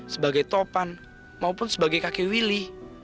sebagai topan maupun sebagai kaki willy